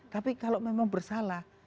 tapi kalau memang bersalah